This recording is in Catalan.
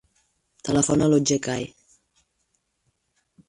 Telefona a l'Otger Cai.